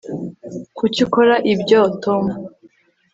kuki ukora ibyo, tom